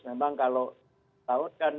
memang kalau tahun kan